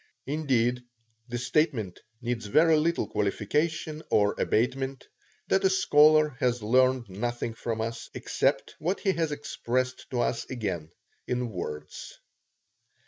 Indeed, the statement needs very little qualification or abatement, that a scholar has learned nothing from us except what he has expressed to us again in words.